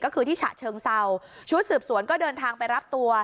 ก็คือที่ฉะเชิงเซาชุดสืบสวนก็เดินทางไปรับตัว